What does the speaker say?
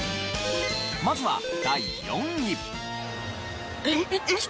まずは第４位。